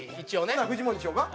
ほなフジモンにしようか？